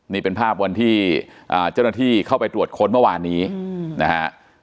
นี่เป็นภาพวันที่เจ้าหน้าที่เข้าไปตรวจค้นเมื่อวานนี้นะฮะ